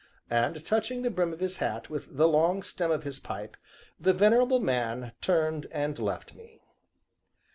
'" and, touching the brim of his hat with the long stem of his pipe, the Venerable Man turned and left me.